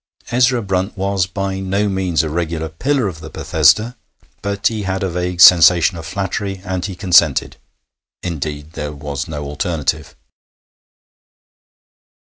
Ezra Brunt was by no means a regular pillar of the Bethesda, but he had a vague sensation of flattery, and he consented; indeed, there was no alternative.